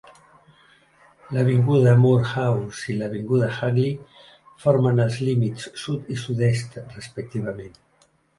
L'avinguda Moorhouse i l'avinguda Hagley formen els límits sud i sud-est, respectivament.